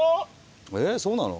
えそうなの？